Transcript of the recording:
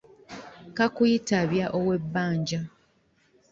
Kakuyitabya ow'ebbanja.